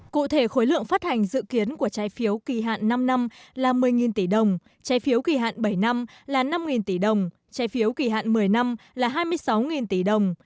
cụ thể khối lượng phát hành dự kiến của trái phiếu kỳ hạn năm năm là một mươi tỷ đồng trái phiếu kỳ hạn bảy năm là năm tỷ đồng trái phiếu kỳ hạn một mươi năm là hai mươi sáu tỷ đồng